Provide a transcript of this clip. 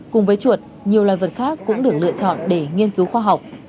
cùng với chuột nhiều loài vật khác cũng được lựa chọn để nghiên cứu khoa học